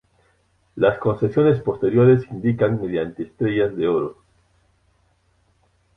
Las concesiones posteriores indican mediante estrellas de oro.